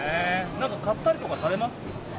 なんか買ったりとかされました？